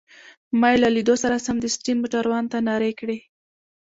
ما يې له لیدو سره سمدستي موټروان ته نارې کړې.